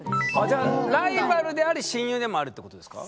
じゃあライバルであり親友でもあるってことですか？